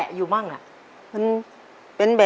ขอบคุณค่ะ